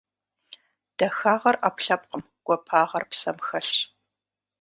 Дахагъэр - ӏэпкълъэпкъым, гуапагъэр псэм хэлъщ.